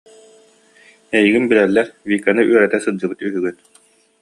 Эйигин билэллэр, Виканы үөрэтэ сылдьыбыт үһүгүн